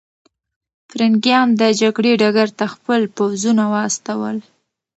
پرنګیان د جګړې ډګر ته خپل پوځونه واستول.